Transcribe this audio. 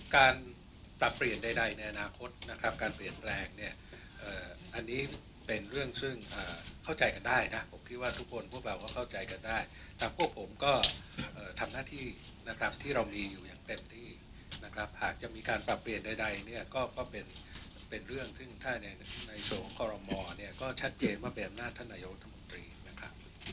การปรับเปลี่ยนใดใดในอนาคตนะครับการเปลี่ยนแรงเนี่ยอันนี้เป็นเรื่องซึ่งเข้าใจกันได้นะการปรับเปลี่ยนใดใดในอนาคตนะครับการเปลี่ยนแรงเนี่ยอันนี้เป็นเรื่องซึ่งเข้าใจกันได้นะการเปลี่ยนแรงเนี่ยอันนี้เป็นเรื่องซึ่งเข้าใจกันได้นะการเปลี่ยนแรงเนี่ยอันนี้เป็นเรื่องซึ่งเข้าใจกันได้นะการเปลี่ยนแรงเ